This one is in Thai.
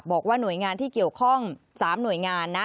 บอกว่าหน่วยงานที่เกี่ยวข้อง๓หน่วยงานนะ